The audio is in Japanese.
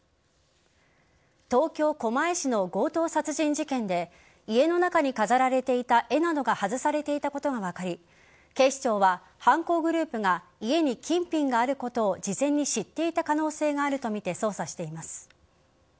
東京・狛江市の強盗殺人事件で家の中に飾られていた絵などが外されていたことが分かり警視庁は犯行グループが家に金品があることを事前に知っていた可能性があるとみて捜査しています。